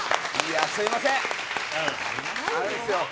すみません！